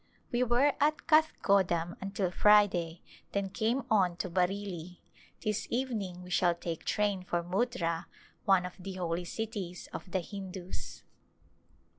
We were at Kathgodam until Friday, then came on to Bareilly. This evening we shall take train for Muttra, one of the holy cities of the Hindus.